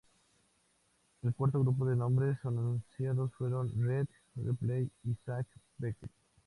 El cuarto grupo de nombres anunciados fueron Rhea Ripley y Sage Beckett.